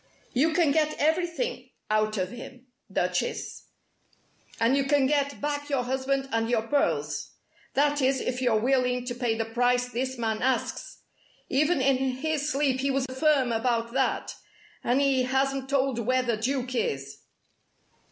"You can get everything out of him, Duchess, and you can get back your husband and your pearls. That is, if you're willing to pay the price this man asks. Even in his sleep he was firm about that, and he hasn't told where the Duke is."